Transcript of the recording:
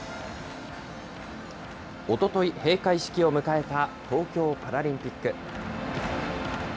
おととい、閉会式を迎えた東京パラリンピック。